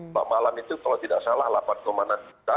kalau malam itu kalau tidak salah delapan enam juta